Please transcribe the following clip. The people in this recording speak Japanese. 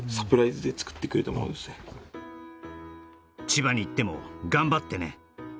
「千葉に行ってもがんばってね」